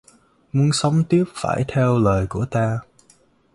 Muốn sống tiếp phải theo lời của ta